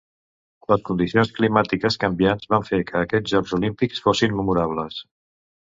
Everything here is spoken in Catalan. Les condicions climàtiques canviants van fer que aquests Jocs Olímpics fossin memorables.